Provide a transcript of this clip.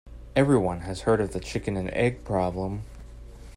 Everyone has heard of the chicken and egg problem.